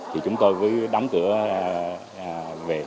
thì chúng tôi mới đóng cửa về